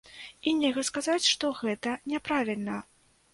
І нельга сказаць, што гэта няправільна.